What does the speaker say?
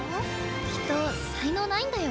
きっと才能ないんだよ。